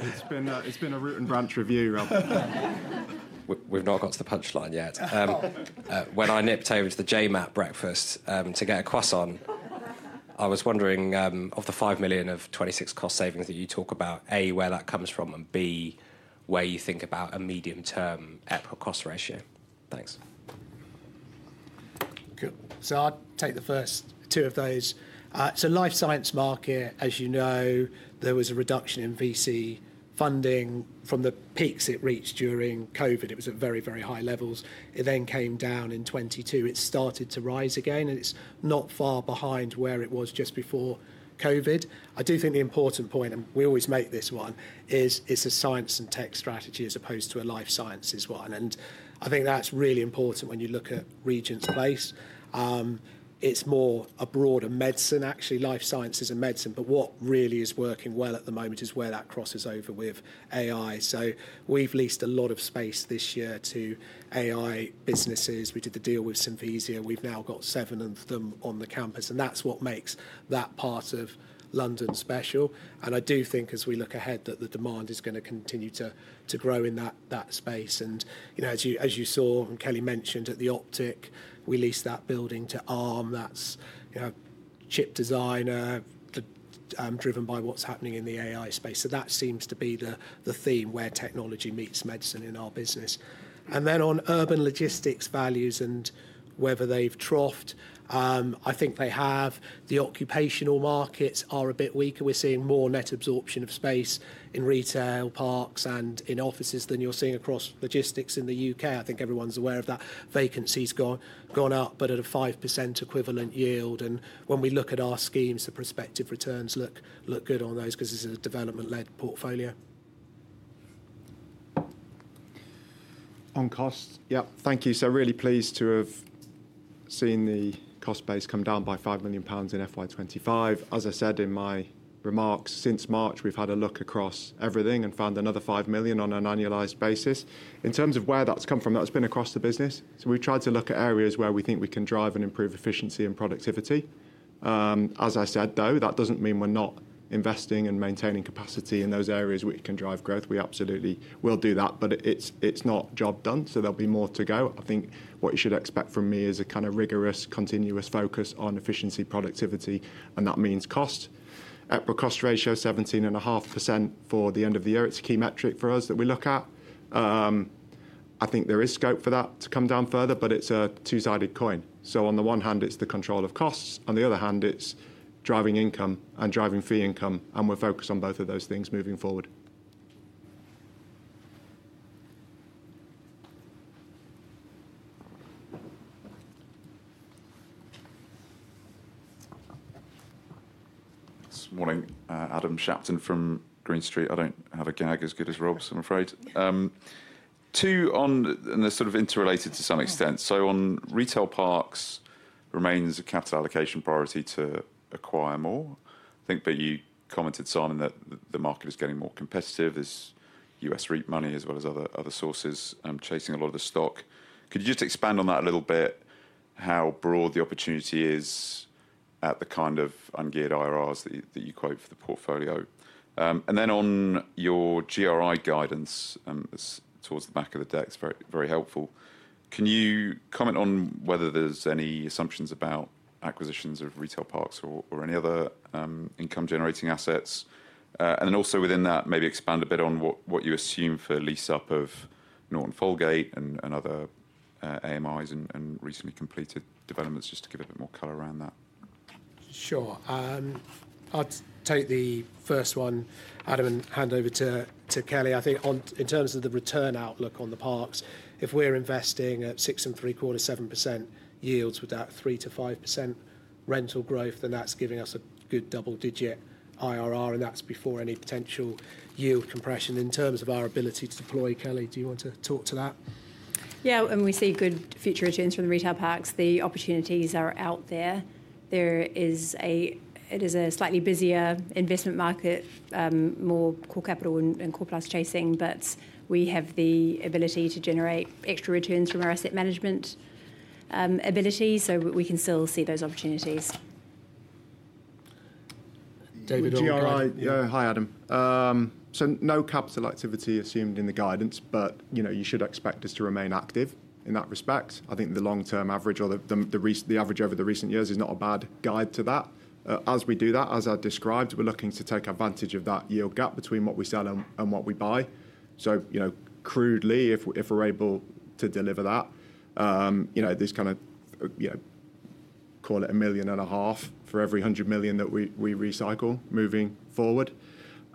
It's been a root and branch review, Rob. We've not got to the punchline yet. When I nipped over to the JMAP breakfast to get a croissant, I was wondering, of the 5 million of 26 million cost savings that you talk about, A, where that comes from, and B, where you think about a medium-term EPRA Cost Ratio. Thanks. Cool. I'll take the first two of those. It's a life science market. As you know, there was a reduction in VC funding from the peaks it reached during COVID. It was at very, very high levels. It then came down in 2022. It started to rise again, and it's not far behind where it was just before COVID. I do think the important point, and we always make this one, is it's a science and tech strategy as opposed to a life sciences one. I think that's really important when you look at Regent's Place. It's more a broader medicine, actually. Life sciences and medicine. What really is working well at the moment is where that crosses over with AI. We have leased a lot of space this year to AI businesses. We did the deal with Synthesia. We have now got seven of them on the campus. That is what makes that part of London special. I do think, as we look ahead, that the demand is going to continue to grow in that space. As you saw and Kelly mentioned at The Optic, we leased that building to Arm. That is a chip designer driven by what is happening in the AI space. That seems to be the theme where technology meets medicine in our business. On urban logistics values and whether they have troughed, I think they have. The occupational markets are a bit weaker. We're seeing more net absorption of space in retail parks and in offices than you're seeing across logistics in the U.K. I think everyone's aware of that. Vacancy's gone up, but at a 5% equivalent yield. When we look at our schemes, the prospective returns look good on those because it's a development-led portfolio. On costs, yeah, thank you. Really pleased to have seen the cost base come down by 5 million pounds in FY25. As I said in my remarks, since March, we've had a look across everything and found another 5 million on an annualized basis. In terms of where that's come from, that's been across the business. We've tried to look at areas where we think we can drive and improve efficiency and productivity. As I said, though, that doesn't mean we're not investing and maintaining capacity in those areas where it can drive growth. We absolutely will do that, but it's not job done, so there'll be more to go. I think what you should expect from me is a kind of rigorous, continuous focus on efficiency, productivity, and that means cost. EPRA Cost Ratio, 17.5% for the end of the year. It's a key metric for us that we look at. I think there is scope for that to come down further, but it's a two-sided coin. On the one hand, it's the control of costs. On the other hand, it's driving income and driving fee income. We're focused on both of those things moving forward. This morning, Adam Shapton from Green Street. I don't have a gag as good as Rob's, I'm afraid. Two on, and they're sort of interrelated to some extent. On retail parks, remains a capital allocation priority to acquire more. I think that you commented, Simon, that the market is getting more competitive. There is US REIT money as well as other sources chasing a lot of the stock. Could you just expand on that a little bit, how broad the opportunity is at the kind of ungeared IRRs that you quote for the portfolio? On your GRI guidance towards the back of the deck, it is very helpful. Can you comment on whether there are any assumptions about acquisitions of retail parks or any other income-generating assets? Also within that, maybe expand a bit on what you assume for lease-up of Norton Folgate and other AMIs and recently completed developments, just to give a bit more color around that. Sure. I will take the first one, Adam, and hand over to Kelly. I think in terms of the return outlook on the parks, if we're investing at 6.75% yields with that 3-5% rental growth, then that's giving us a good double-digit IRR, and that's before any potential yield compression in terms of our ability to deploy. Kelly, do you want to talk to that? Yeah, and we see good future returns from the retail parks. The opportunities are out there. It is a slightly busier investment market, more core capital and core plus chasing, but we have the ability to generate extra returns from our asset management ability, so we can still see those opportunities. David, on GRI, Hi, Adam. No capital activity assumed in the guidance, but you should expect us to remain active in that respect. I think the long-term average or the average over the recent years is not a bad guide to that. As we do that, as I described, we're looking to take advantage of that yield gap between what we sell and what we buy. Crudely, if we're able to deliver that, this kind of, call it 1.5 million for every 100 million that we recycle moving forward.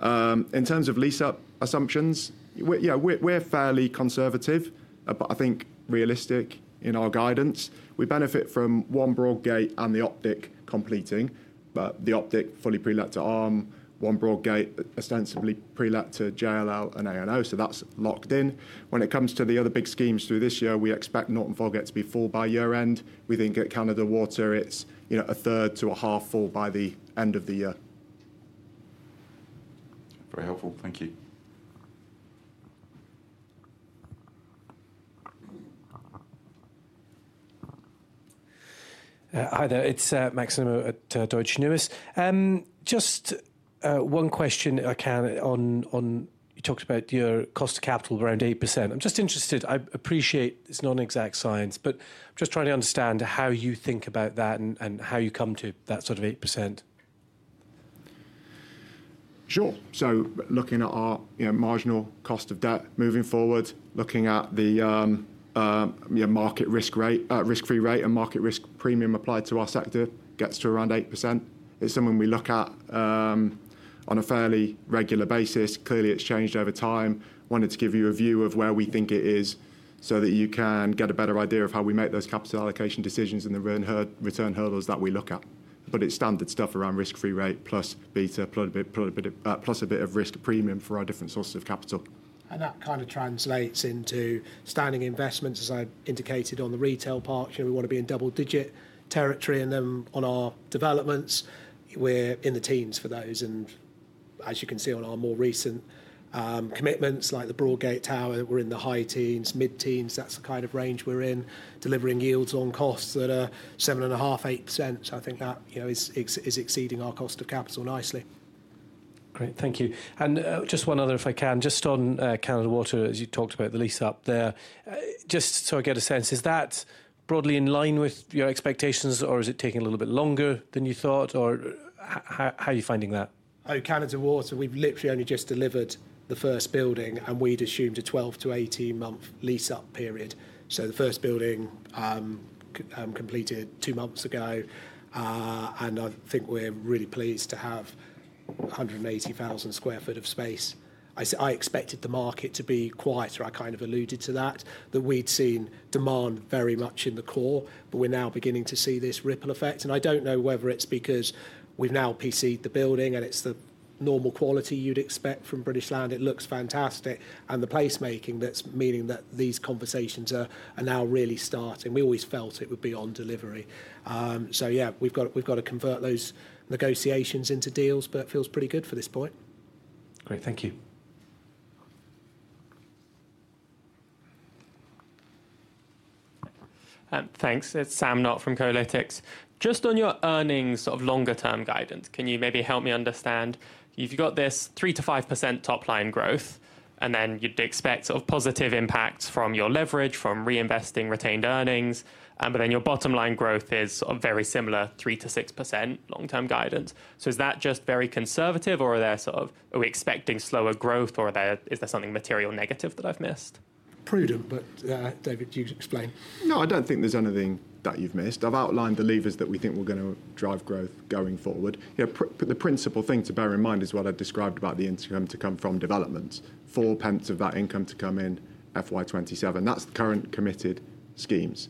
In terms of lease-up assumptions, we're fairly conservative, but I think realistic in our guidance. We benefit from One Broadgate and the Optic completing, with the Optic fully pre-let to Arm, One Broadgate ostensibly pre-let to JLL and A&O, so that's locked in. When it comes to the other big schemes through this year, we expect Norton Folgate to be full by year-end. We think at Canada Water, it's a third to a half full by the end of the year. Very helpful. Thank you. Hi there, it's Max Nimmo at Deutsche Numis. Just one question, I can, on you talked about your cost of capital around 8%. I'm just interested, I appreciate it's not an exact science, but I'm just trying to understand how you think about that and how you come to that sort of 8%. Sure. So looking at our marginal cost of debt moving forward, looking at the market risk rate, risk-free rate, and market risk premium applied to our sector gets to around 8%. It's something we look at on a fairly regular basis. Clearly, it's changed over time. Wanted to give you a view of where we think it is so that you can get a better idea of how we make those capital allocation decisions and the return hurdles that we look at. It's standard stuff around risk-free rate plus beta, plus a bit of risk premium for our different sources of capital. That kind of translates into standing investments, as I indicated on the retail parks. We want to be in double-digit territory. On our developments, we're in the teens for those. As you can see on our more recent commitments, like the Broadgate Tower, we're in the high teens, mid-teens. That's the kind of range we're in, delivering yields on costs that are 7.5%-8%. I think that is exceeding our cost of capital nicely. Great. Thank you. Just one other, if I can, just on Canada Water, as you talked about the lease-up there, just so I get a sense, is that broadly in line with your expectations, or is it taking a little bit longer than you thought, or how are you finding that? Oh, Canada Water, we've literally only just delivered the first building, and we'd assumed a 12-18 month lease-up period. The first building completed two months ago. I think we're really pleased to have 180,000 sq ft of space. I expected the market to be quieter, I kind of alluded to that, that we'd seen demand very much in the core, but we're now beginning to see this ripple effect. I don't know whether it's because we've now PCed the building and it's the normal quality you'd expect from British Land. It looks fantastic. The placemaking, that's meaning that these conversations are now really starting. We always felt it would be on delivery. Yeah, we've got to convert those negotiations into deals, but it feels pretty good for this point. Great. Thank you. Thanks. It's Sam Knott from Kolytics Just on your earnings, sort of longer-term guidance, can you maybe help me understand? You've got this 3-5% top-line growth, and then you'd expect sort of positive impacts from your leverage, from reinvesting retained earnings. Your bottom-line growth is very similar, 3-6% long-term guidance. Is that just very conservative, or are we expecting slower growth, or is there something material negative that I've missed? Prudent, but David, you explain. No, I don't think there's anything that you've missed. I've outlined the levers that we think are going to drive growth going forward. The principal thing to bear in mind is what I described about the income to come from developments, 0.04 GBP of that income to come in FY2027. That's current committed schemes.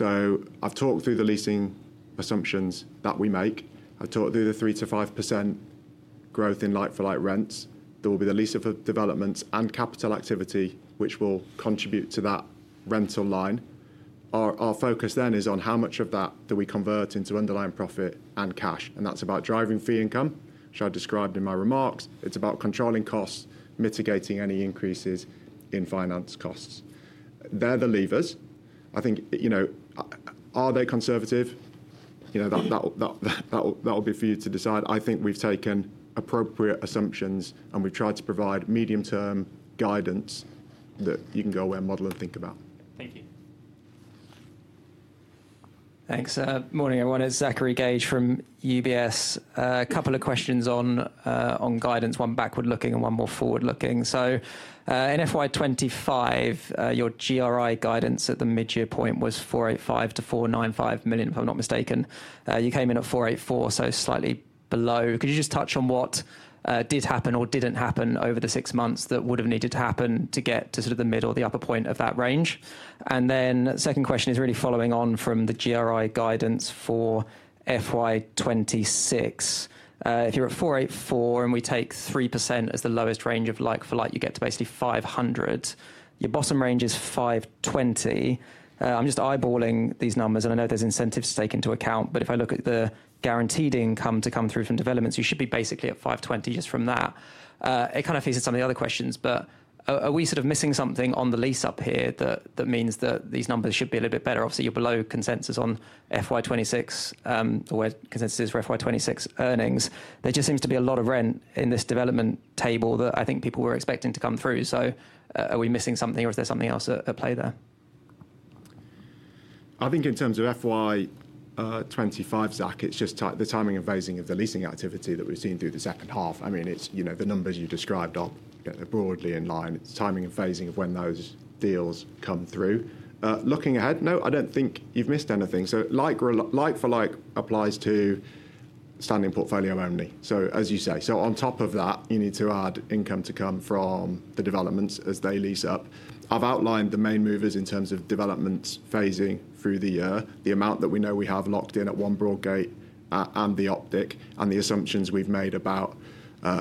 I've talked through the leasing assumptions that we make. I've talked through the 3-5% growth in like-for-like rents. There will be the lease-up of developments and capital activity, which will contribute to that rental line. Our focus then is on how much of that do we convert into underlying profit and cash. That's about driving fee income, which I described in my remarks. It's about controlling costs, mitigating any increases in finance costs. They're the levers. I think, are they conservative? That'll be for you to decide. I think we've taken appropriate assumptions, and we've tried to provide medium-term guidance that you can go away and model and think about. Thank you. Thanks. Morning, everyone. It's Zachary Gage from UBS. A couple of questions on guidance, one backward-looking and one more forward-looking. In FY2025, your GRI guidance at the mid-year point was 485 million to 495 million, if I'm not mistaken. You came in at 484 million, so slightly below. Could you just touch on what did happen or did not happen over the six months that would have needed to happen to get to sort of the mid or the upper point of that range? The second question is really following on from the GRI guidance for FY26. If you are at 484 million and we take 3% as the lowest range of like-for-like, you get to basically 500 million. Your bottom range is 520 million. I am just eyeballing these numbers, and I know there are incentives to take into account, but if I look at the guaranteed income to come through from developments, you should be basically at 520 million just from that. It kind of feeds into some of the other questions, but are we sort of missing something on the lease-up here that means that these numbers should be a little bit better? Obviously, you're below consensus on FY2026, or consensus is for FY2026 earnings. There just seems to be a lot of rent in this development table that I think people were expecting to come through. Are we missing something, or is there something else at play there? I think in terms of FY2025, Zach, it's just the timing of phasing of the leasing activity that we've seen through the second half. The numbers you described are broadly in line. It's timing and phasing of when those deals come through. Looking ahead, no, I don't think you've missed anything. Like-for-like applies to standing portfolio only, as you say. On top of that, you need to add income to come from the developments as they lease up. I've outlined the main movers in terms of developments phasing through the year, the amount that we know we have locked in at One Broadgate and The Optic, and the assumptions we've made about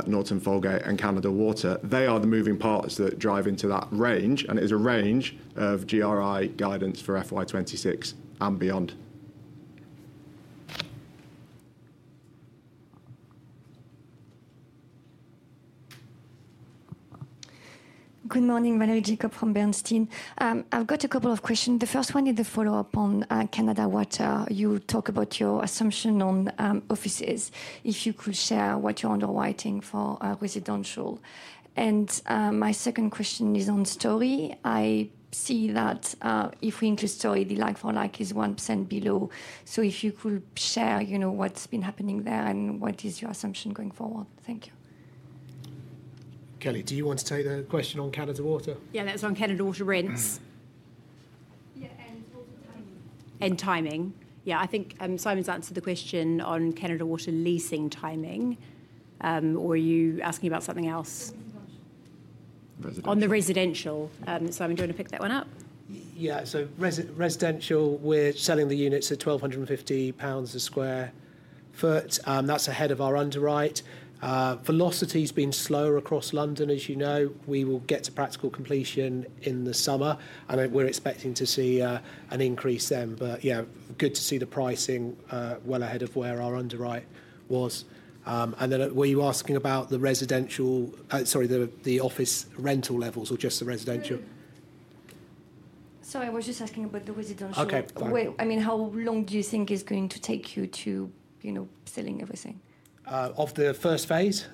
Norton Folgate and Canada Water. They are the moving parts that drive into that range, and it is a range of GRI guidance for FY26 and beyond. Good morning, Valerie Jacob from Bernstein. I've got a couple of questions. The first one is a follow-up on Canada Water. You talk about your assumption on offices. If you could share what you're underwriting for residential. And my second question is on Story. I see that if we include Story, the like-for-like is 1% below. If you could share what's been happening there and what is your assumption going forward? Thank you. Kelly, do you want to take the question on Canada Water? Yeah, that's on Canada Water rents. Yeah, and timing. Yeah, I think Simon's answered the question on Canada Water leasing timing. Or are you asking about something else? On the residential. Simon, do you want to pick that one up? Yeah, so residential, we're selling the units at GBP 1,250 a sq ft. That's ahead of our underwrite. Velocity has been slower across London, as you know. We will get to practical completion in the summer. I think we're expecting to see an increase then, but yeah, good to see the pricing well ahead of where our underwrite was. And then were you asking about the residential, sorry, the office rental levels or just the residential? Sorry, I was just asking about the residential. Okay, go ahead. I mean, how long do you think it's going to take you to selling everything? Of the first phase,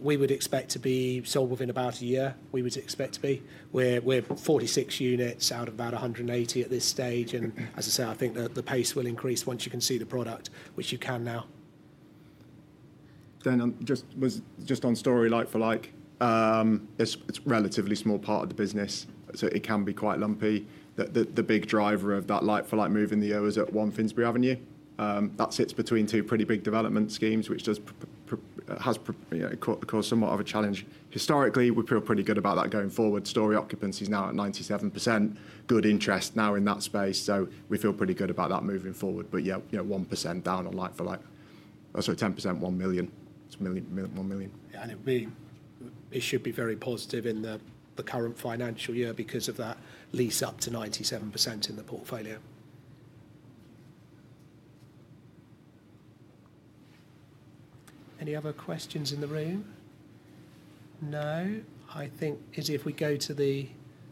we would expect to be sold within about a year, we would expect to be. We're 46 units out of about 180 at this stage. As I say, I think the pace will increase once you can see the product, which you can now. Just on story like-for-like, it's a relatively small part of the business, so it can be quite lumpy. The big driver of that like-for-like move in the year was at One Finsbury Avenue. That sits between two pretty big development schemes, which has caused somewhat of a challenge. Historically, we feel pretty good about that going forward. Story occupancy is now at 97%. Good interest now in that space. We feel pretty good about that moving forward. Yeah, 1% down on like-for-like. I saw 10%, 1 million. It's 1 million. Yeah, and it should be very positive in the current financial year because of that lease-up to 97% in the portfolio. Any other questions in the room? No. I think, Izzy, if we go to the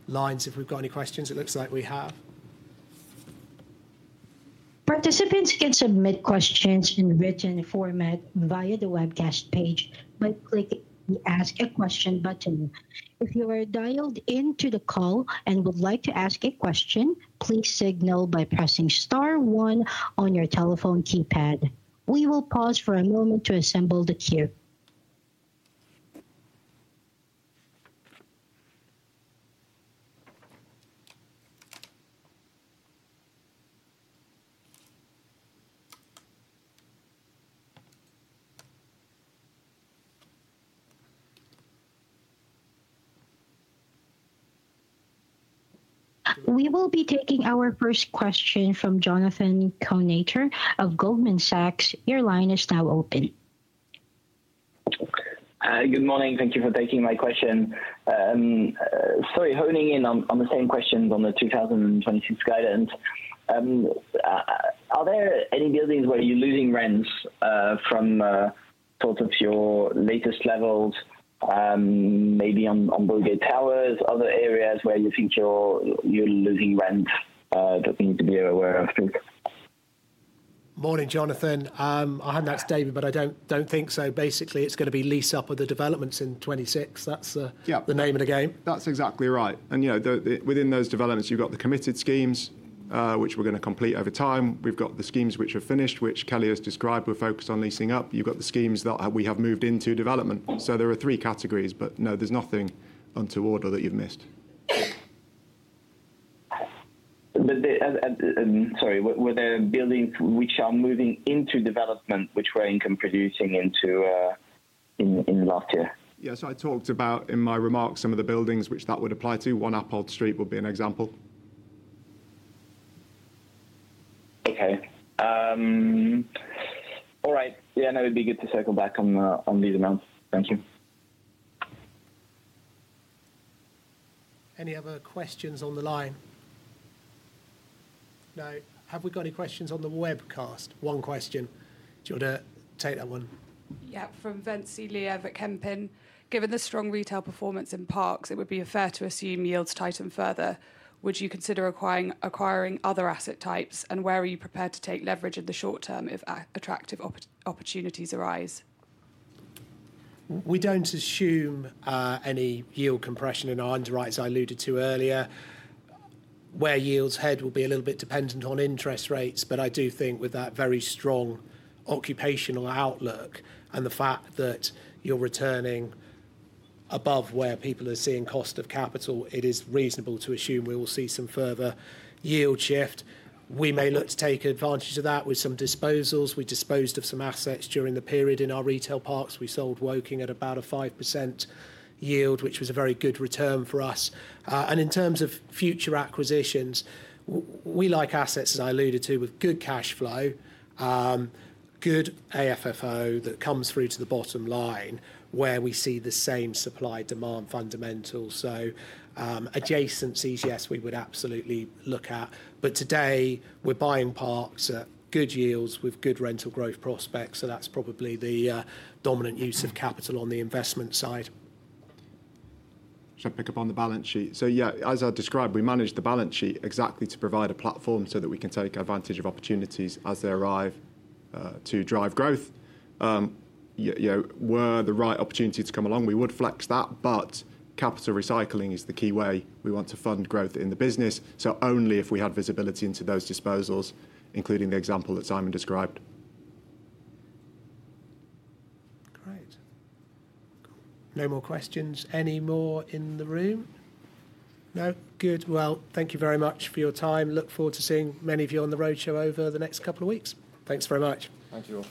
lines, if we've got any questions, it looks like we have. Participants can submit questions in written format via the webcast page, but click the ask a Question button. If you are dialed into the call and would like to ask a question, please signal by pressing star one on your telephone keypad. We will pause for a moment to assemble the queue. We will be taking our first question from Jonathan Kownator of Goldman Sachs. Your line is now open. Good morning. Thank you for taking my question. Sorry, honing in on the same question on the 2026 guidance. Are there any buildings where you're losing rents from sort of your latest levels, maybe on Broadgate Tower, other areas where you think you're losing rent that we need to be aware of? Morning, Jonathan. I heard that statement, but I don't think so. Basically, it's going to be lease-up of the developments in 2026. That's the name of the game. That's exactly right. Within those developments, you've got the committed schemes, which we're going to complete over time. You've got the schemes which are finished, which Kelly has described with focus on leasing up. You've got the schemes that we have moved into development. There are three categories, but no, there's nothing out of order that you've missed. Sorry, were there buildings which are moving into development, which were income producing into last year? Yes, I talked about in my remarks some of the buildings which that would apply to. One Appold Street would be an example. Okay. All right. Yeah, no, it'd be good to circle back on these amounts. Thank you. Any other questions on the line? No. Have we got any questions on the webcast? One question. Do you want to take that one? Yeah, from Vencilia the Kempen. Given the strong retail performance in parks, it would be fair to assume yields tighten further. Would you consider acquiring other asset types, and where are you prepared to take leverage in the short term if attractive opportunities arise? We do not assume any yield compression in our underwrite, as I alluded to earlier. Where yields head will be a little bit dependent on interest rates, but I do think with that very strong occupational outlook and the fact that you're returning above where people are seeing cost of capital, it is reasonable to assume we will see some further yield shift. We may look to take advantage of that with some disposals. We disposed of some assets during the period in our retail parks. We sold Woking at about a 5% yield, which was a very good return for us. In terms of future acquisitions, we like assets, as I alluded to, with good cash flow, good AFFO that comes through to the bottom line where we see the same supply-demand fundamentals. Adjacencies, yes, we would absolutely look at. Today, we're buying parks at good yields with good rental growth prospects. That is probably the dominant use of capital on the investment side. Should I pick up on the balance sheet? As I described, we manage the balance sheet exactly to provide a platform so that we can take advantage of opportunities as they arrive to drive growth. Were the right opportunity to come along, we would flex that, but capital recycling is the key way we want to fund growth in the business. Only if we had visibility into those disposals, including the example that Simon described. Great. No more questions. Any more in the room? No? Good. Thank you very much for your time. I look forward to seeing many of you on the roadshow over the next couple of weeks. Thank you all.